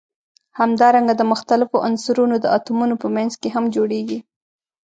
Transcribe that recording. همدارنګه د مختلفو عنصرونو د اتومونو په منځ کې هم جوړیږي.